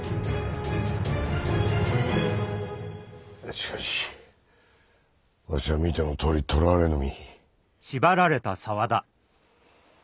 しかしわしは見てのとおり捕らわれの身。